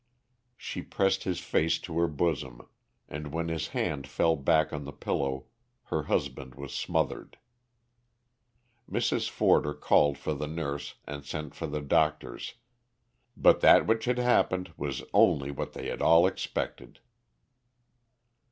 She pressed his face to her bosom, and when his head fell back on the pillow her husband was smothered. Mrs. Forder called for the nurse and sent for the doctors, but that which had happened was only what they had all expected.